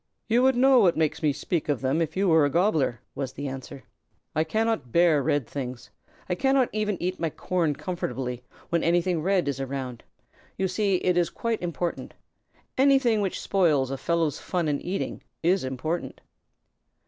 "You would know what makes me speak of them if you were a Gobbler," was the answer. "I cannot bear red things. I cannot even eat my corn comfortably when anything red is around. You see it is quite important. Anything which spoils a fellow's fun in eating is important."